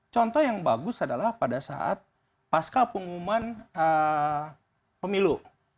contoh yang bagus adalah pada saat pasca pengumuman pemilu